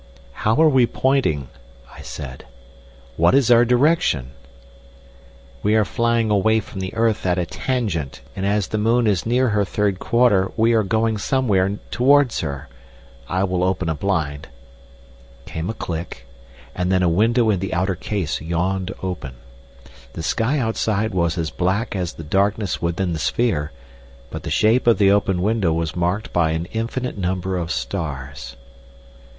"How are we pointing?" I said. "What is our direction?" "We are flying away from the earth at a tangent, and as the moon is near her third quarter we are going somewhere towards her. I will open a blind—" Came a click, and then a window in the outer case yawned open. The sky outside was as black as the darkness within the sphere, but the shape of the open window was marked by an infinite number of stars.